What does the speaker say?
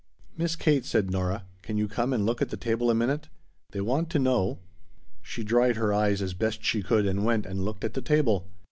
"Miss Kate," said Nora, "can you come and look at the table a minute? They want to know " She dried her eyes as best she could and went and looked at the table.